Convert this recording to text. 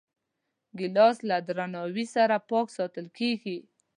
ګیلاس له درناوي سره پاک ساتل کېږي.